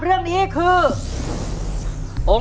สวัสดีครับ